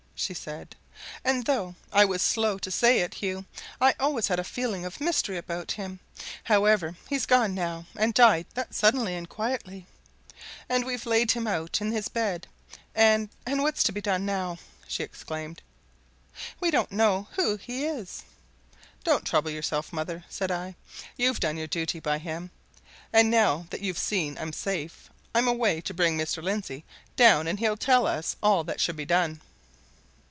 she said. "And though I was slow to say it, Hugh, I always had a feeling of mystery about him. However, he's gone now and died that suddenly and quietly! and we've laid him out in his bed; and and what's to be done now?" she exclaimed. "We don't know who he is!" "Don't trouble yourself, mother," said I. "You've done your duty by him. And now that you've seen I'm safe, I'm away to bring Mr. Lindsey down and he'll tell us all that should be done."